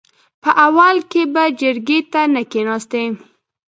په اول کې به جرګې ته نه کېناستې .